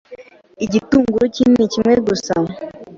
Igitunguru kinini kimwe gusa